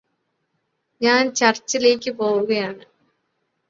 ഞാന് ചർച്ചിലേക്ക് പോവുകയാണ്